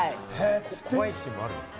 怖いシーンもあるんですか？